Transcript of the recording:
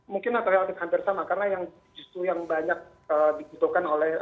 mungkin natural hampir sama karena yang justru yang banyak dibutuhkan oleh